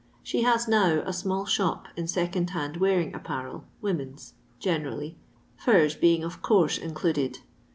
She has now a smnll ' ihop in second hand wearing apparel (women's) I lenendly, furs being of course included.